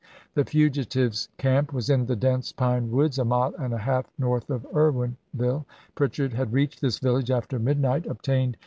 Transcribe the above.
The fugitives' camp was in the dense pine woods a mile and a half north of Irwinville. Pritchard had reached this village after midnight, obtained 270 ABKAHAM LINCOLN CH. XIII.